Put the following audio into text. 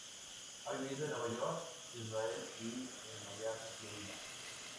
Ha vivido en Nueva York, Israel y en Miami, Florida.